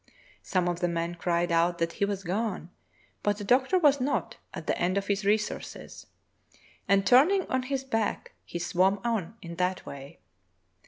Some of the men cried out that he was gone, but the doctor was not at the end of his resources, and turning on his back he swam on in that way.